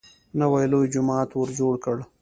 نوی لوی جومات ورجوړ کړ.